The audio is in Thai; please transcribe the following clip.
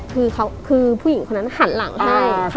คือผู้หญิงคนนั้นหันหลังให้